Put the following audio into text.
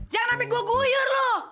jangan sampai gua guyur lu